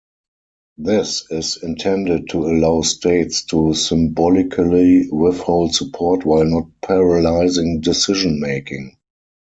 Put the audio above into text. This is intended to allow states to symbolically withhold support while not paralysing decision-making.